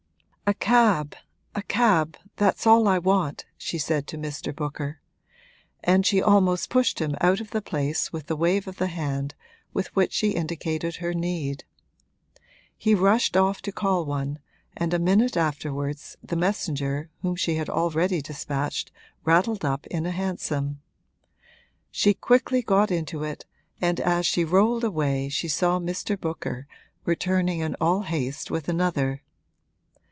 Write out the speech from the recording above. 'A cab, a cab that's all I want!' she said to Mr. Booker; and she almost pushed him out of the place with the wave of the hand with which she indicated her need. He rushed off to call one, and a minute afterwards the messenger whom she had already despatched rattled up in a hansom. She quickly got into it, and as she rolled away she saw Mr. Booker returning in all haste with another.